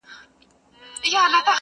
مېلمانه یې د مرګي لوی ډاکټران کړل٫